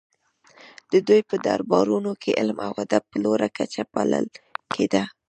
د دوی په دربارونو کې علم او ادب په لوړه کچه پالل کیده